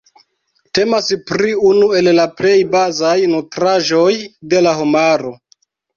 Temas pri unu el la plej bazaj nutraĵoj de la homaro.